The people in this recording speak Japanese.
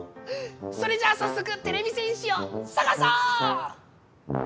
それじゃあさっそくてれび戦士をさがそう！